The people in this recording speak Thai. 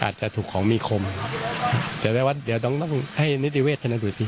อาจจะถูกของมีคมเดี๋ยวต้องให้นิติเวชทดูดดี